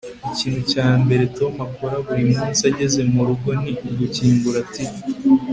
ikintu cya mbere tom akora buri munsi ageze murugo ni ugukingura tv